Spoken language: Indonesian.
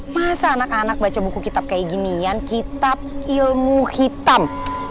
masa anak anak baca buku kitab kayak ginian kitab ilmu hitam